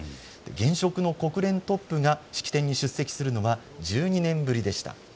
現職の国連トップが式典に出席するのは１２年ぶりでした。